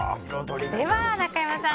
では、中山さん